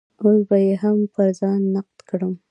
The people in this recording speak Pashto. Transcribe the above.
اوس به يې هم پر ځای نقد کړم.